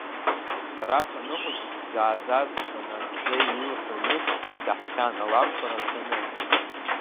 Сара саныхәыҷыз сзааӡаз санаӡӡеи илҳәоны исаҳахьан, алакәқәа рацәаны.